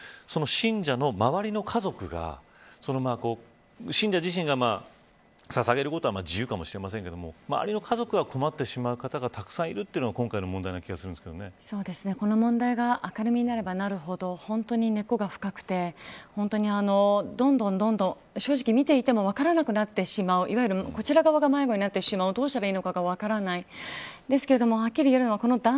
でも、信者の周りの家族が信者自身がささげることは自由かもしれませんが周りの家族が困ってしまう方がたくさんいるというのが今回の問題の気がこの問題が明るみになればなるほど根っこが深くてどんどん正直見ていても分からなくなってしまうこちら側が迷子になってしまうどうしたらいいのかが分からない。